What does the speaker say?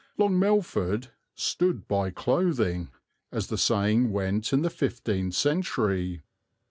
Long Melford "stood by clothing," as the saying went in the fifteenth century.